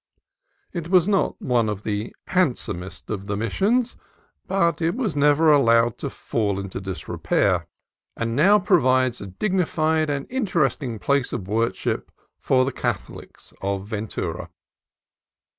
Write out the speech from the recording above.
It was not one of the handsomest of the Missions, but it was never allowed to fall into disrepair, and now 78 CALIFORNIA COAST TRAILS provides a dignified and interesting place of worship for the Catholics of Ventura.